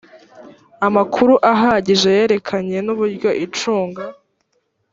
amakuru ahagije yerekeranye n uburyo icunga